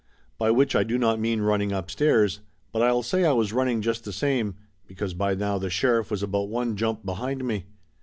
By which I do not mean run ning upstairs, but I'll say I was running just the same, because by now the sheriff was about one jump behind me.